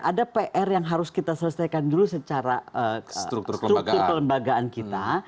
ada pr yang harus kita selesaikan dulu secara struktur kelembagaan kita